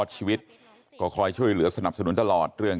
จะเข้ามาถ่ายถอดชีวิต